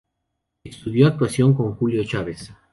Estudió actuación con Julio Chávez.